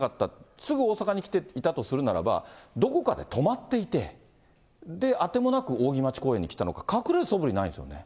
すぐ大阪に来ていたとするならば、どこかに泊まっていて、で、当てもなく扇町公園に来たのか、隠れるそぶりがないんですよね。